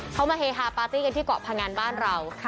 เขามาเฮฮาปาร์ตี้กันที่เกาะพงันบ้านเรา